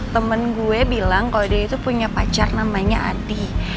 temen gue bilang kalau dia itu punya pacar namanya adi